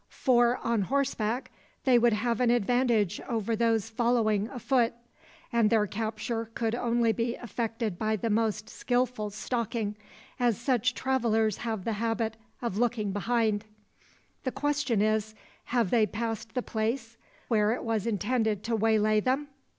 For, on horseback, they would have an advantage over those following afoot; and their capture could only be effected by the most skilful stalking, as such travellers have the habit of looking behind. The question is Have they passed the place, where it was intended to waylay them?